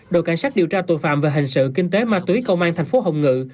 đội cảnh sát điều tra tội phạm về hình sự kinh tế ma túy công an thành phố hồng ngự